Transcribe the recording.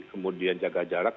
kemudian jaga jarak